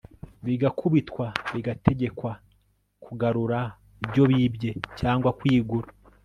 bigakubitwa bigategekwa kugarura ibyo byibye cyangwa kwigura